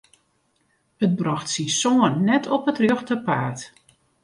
It brocht syn soan net op it rjochte paad.